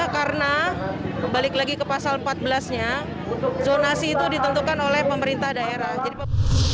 karena balik lagi ke pasal empat belas nya zonasi itu ditentukan oleh pemerintah daerah